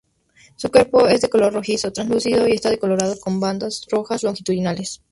Su cuerpo es de color rojizo translúcido y está decorado con bandas rojas longitudinales.